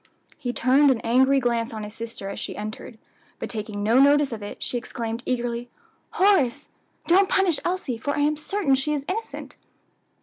He turned an angry glance on his sister as she entered; but taking no notice of it, she exclaimed eagerly, "Horace, don't punish Elsie, for I am certain she is innocent."